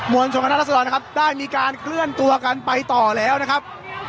ลชนคณะรัศดรนะครับได้มีการเคลื่อนตัวกันไปต่อแล้วนะครับ